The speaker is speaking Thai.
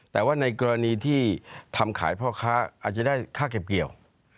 แต่ว่าในกรณีที่ทำขายพ่อค้าอาจจะได้ค่าเก็บเกี่ยว